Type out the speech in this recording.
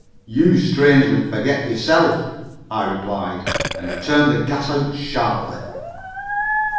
"You strangely forget yourself," I replied, and turned the gas out sharply.